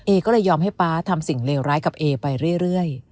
ก็เลยยอมให้ป๊าทำสิ่งเลวร้ายกับเอไปเรื่อย